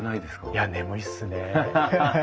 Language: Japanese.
いや眠いっすね。